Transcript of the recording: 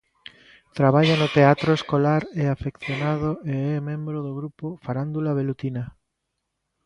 Traballa no teatro escolar e afeccionado e é membro do grupo Farándula Velutina.